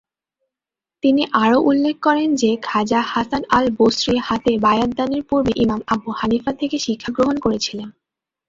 তিনি আরো উল্লেখ করেন যে খাজা হাসান আল-বসরী হাতে বায়াত দানের পূর্বে ইমাম আবু হানিফা থেকে শিক্ষা গ্রহণ করেছিলেন।